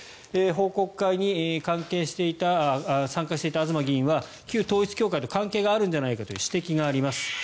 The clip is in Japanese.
報告会に参加していた東議員は旧統一教会と関係があるんじゃないかという指摘があるんです。